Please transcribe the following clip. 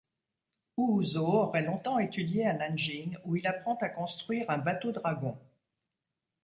Ououso aurait longtemps étudié à Nanjing, où il apprend à construire un bateaux-dragon.